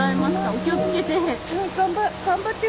お気をつけて。